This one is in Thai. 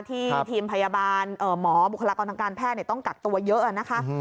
ทีมพยาบาลหมอบุคลากรทางการแพทย์ต้องกักตัวเยอะนะคะ